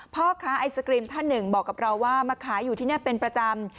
พ่อค้าไอศกรีมท่านหนึ่งบอกกับเราว่ามาขายอยู่ที่นี่เป็นประจำ